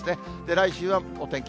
来週はお天気